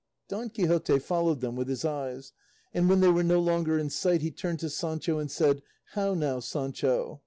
Don Quixote followed them with his eyes, and when they were no longer in sight, he turned to Sancho and said, "How now, Sancho?